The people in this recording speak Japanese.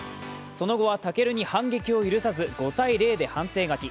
その後は武尊に反撃を許さず、５−０で判定勝ち。